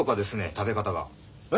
食べ方が。え？